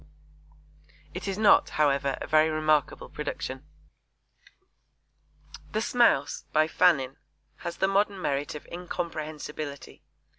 It is not, however, a very remarkable production. The Smouse, by Fannin, has the modern merit of incomprehensibility.